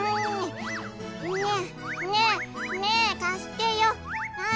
ねえねえねえ貸してよ！